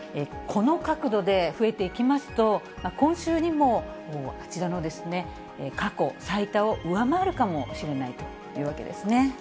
この角度で増えていきますと、今週にもあちらの過去最多を上回るかもしれないというわけですね。